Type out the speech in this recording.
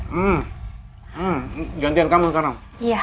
hmm gantian kamu sekarang